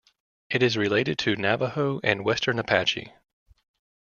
It is related to Navajo and Western Apache.